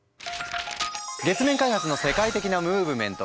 月面開発の世界的なムーブメント。